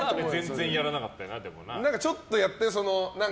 ちょっとやったよ。